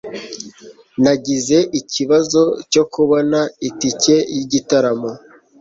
nagize ikibazo cyo kubona itike yigitaramo